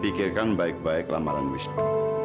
pikirkan baik baik ke respiratory crisis wisnu